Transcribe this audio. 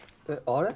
あれ？